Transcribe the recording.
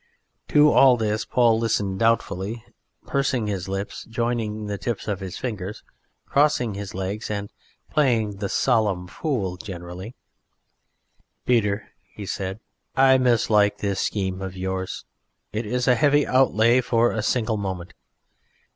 To all this Paul listened doubtfully, pursing up his lips, joining the tips of his fingers, crossing his legs and playing the solemn fool generally. "Peter," said he, "I mislike this scheme of yours. It is a heavy outlay for a single moment.